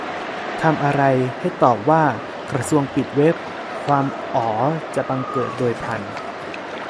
ทำอะไร ให้ตอบว่า "กระทรวงปิดเว็บ" - ความ "อ๋อ" จะบังเกิดโดยพลัน